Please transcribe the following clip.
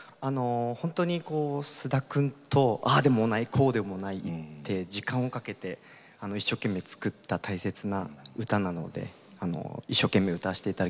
本当に菅田君とああでもないこうでもないって時間をかけて一生懸命作った大切な歌なので一生懸命歌わせて頂きます。